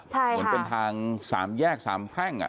ใช่ค่ะอย่างเป็นทางสามแยกสามแพร่ง